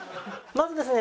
まずですね